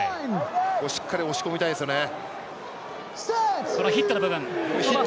しっかり押し込みたいですね。